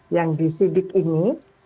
yang disidik ini